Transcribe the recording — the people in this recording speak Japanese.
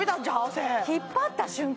今引っ張った瞬間